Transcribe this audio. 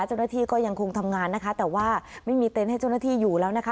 เจ้าหน้าที่ก็ยังคงทำงานนะคะแต่ว่าไม่มีเต็นต์ให้เจ้าหน้าที่อยู่แล้วนะคะ